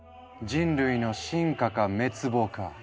人類の進化か滅亡か！